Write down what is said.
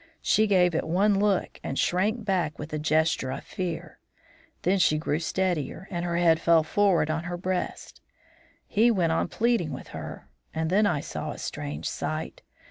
She gave it one look and shrank back with a gesture of fear; then she grew steadier and her head fell forward on her breast. He went on pleading with her; and then I saw a strange sight.